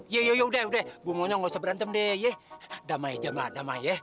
ya ya ya udah udah gue monyong gak usah berantem deh damai aja mah damai ya